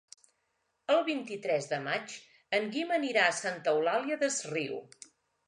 El vint-i-tres de maig en Guim anirà a Santa Eulària des Riu.